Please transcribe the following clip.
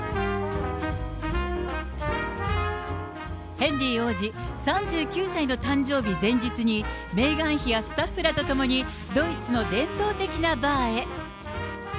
ヘンリー王子、３９歳の誕生日前日に、メーガン妃やスタッフらと共に、ドイツの伝統的なバーへ。